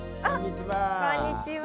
こんにちは。